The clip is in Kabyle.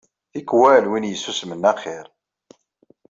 Tikwal win yessusmen axir.